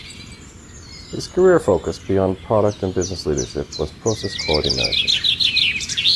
His career focus beyond product and business leadership was process quality management.